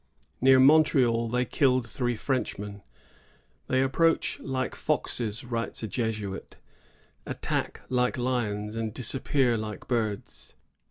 Near Montreal they killed three Frenchmen. "They approach like foxes," writes a Jesuit, "attack like lions, and disappear like birds."